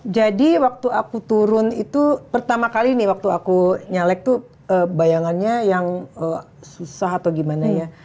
waktu aku turun itu pertama kali nih waktu aku nyalek tuh bayangannya yang susah atau gimana ya